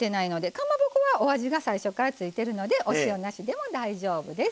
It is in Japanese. かまぼこはお味が最初からついているのでお塩なしでも大丈夫です。